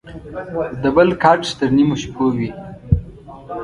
دبل کټ تر نيمو شپو وى.